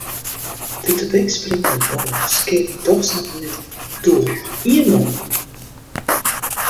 De tebekspringende bal skeat ik dochs noch yn it doel: ien-nul.